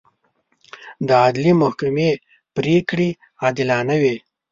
د عدلي محکمې پرېکړې عادلانه وي.